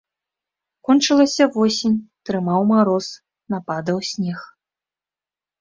Кончылася восень, трымаў мароз, нападаў снег.